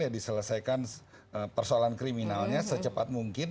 diselesaikan persoalan kriminalnya secepat mungkin